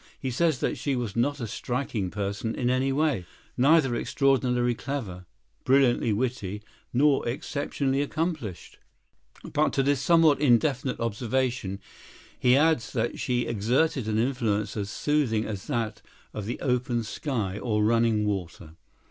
He says that she was not a striking person in anyway, neither extraordinarily clever, brilliantly witty, nor exceptionally accomplished. But to this somewhat indefinite observation he adds that she exerted an influence as soothing as that of the open sky, or running water.